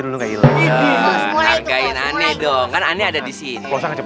dulu nggak ilang hargain aneh dong kan aneh ada di sini